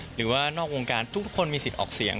หรือว่านอกวงการทุกคนมีสิทธิ์ออกเสียง